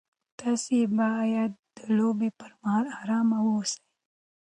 تاسي باید د لوبې پر مهال ارام واوسئ.